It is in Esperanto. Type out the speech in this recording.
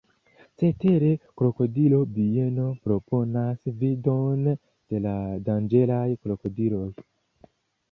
Cetere, krokodilo-bieno proponas vidon de la danĝeraj krokodiloj.